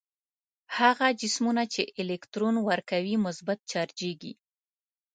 هغه جسمونه چې الکترون ورکوي مثبت چارجیږي.